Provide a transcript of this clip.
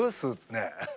ねえ。